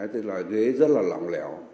tức là ghế rất là lỏng lẻo